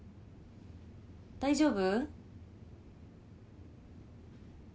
大丈夫？